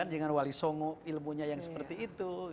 jangan walisongok ilmunya yang seperti itu